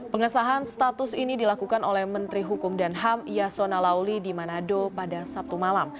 pengesahan status ini dilakukan oleh menteri hukum dan ham yasona lauli di manado pada sabtu malam